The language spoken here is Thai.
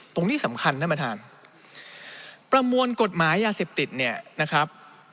ที่สำคัญท่านประธานประมวลกฎหมายยาเสพติดเนี่ยนะครับ